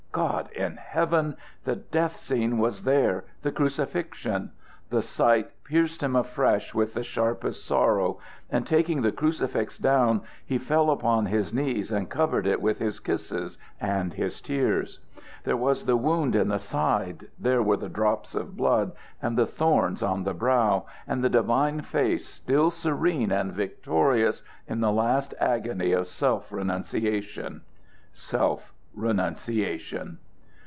God in heaven! The death scene was there the crucifixion! The sight pierced him afresh with the sharpest sorrow, and taking the crucifix down, he fell upon his knees and covered it with his kisses and his tears. There was the wound in the side, there were the drops of blood and the thorns on the brow, and the divine face still serene and victorious in the last agony of self renunciation. Self renunciation!